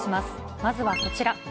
まずはこちら。